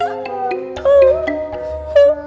aku bingung harus berubah